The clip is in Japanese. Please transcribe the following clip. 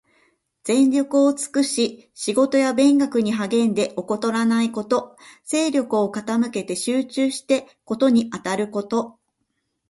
全力を尽くし仕事や勉学に励んで、怠らないこと。精力を傾けて集中して事にあたること。